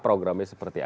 programnya seperti apa